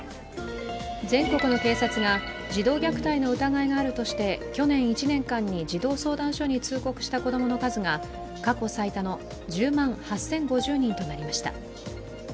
全国の警察が児童虐待の疑いがあるとして去年１年間に児童相談所に通告した子供の数が過去最多の１０万８０５０人となりました。